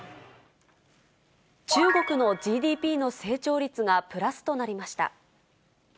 中国のＧＤＰの成長率がプラスとなりました。